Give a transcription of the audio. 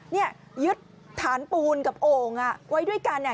เนี่ยยึดฐานปูนกับโอ่งอ่ะไว้ด้วยกันเนี่ย